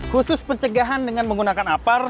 khusus pencegahan dengan menggunakan apar